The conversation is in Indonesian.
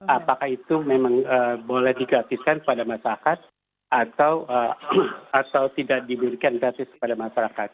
apakah itu memang boleh digratiskan kepada masyarakat atau tidak diberikan gratis kepada masyarakat